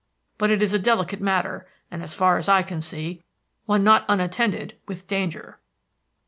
But it is a delicate matter, and as far as I can see, one not unattended with danger."